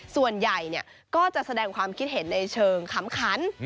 ส่วนใหญ่ก็จะแสดงความคิดเห็นในเชิงขำขัน